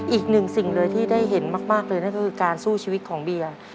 อีกหนึ่งสิ่งเลยที่ได้เห็นมากเลยนั่นก็คือการสู้ชีวิตของเบียร์